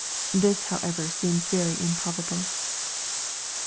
This, however, seems very improbable.